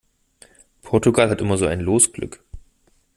Portugal hat immer so ein Losglück!